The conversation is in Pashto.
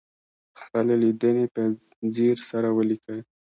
خپلې لیدنې په ځیر سره ولیکئ.